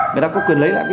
người ta có quyền lấy lại